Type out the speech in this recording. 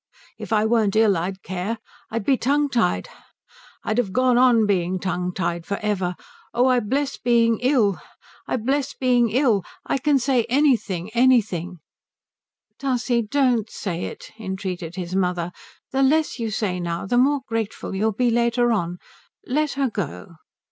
If I weren't ill I'd care. I'd be tongue tied I'd have gone on being tongue tied for ever. Oh I bless being ill, I bless being ill I can say anything, anything " "Tussie, don't say it," entreated his mother. "The less you say now the more grateful you'll be later on. Let her go."